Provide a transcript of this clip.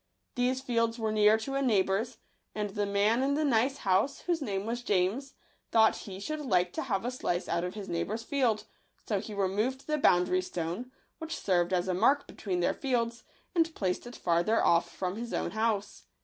These fields were near to a neighbour's ; and the man in the nice house, whose name was James, thought he should like to have a slice out of his neigh bour's field ; so he removed the boundary stone, which served as a mark between their fields, and placed it farther off from his own house.